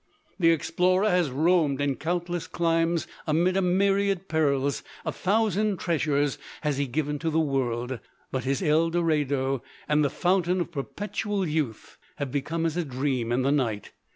The explorer has roamed in countless climes amid a myriad perils: a thousand treasures has he given to the world: but his El Dorado and the Fountain of Perpetual Youth have become as a dream in the night.